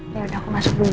yaudah aku masuk dulu ya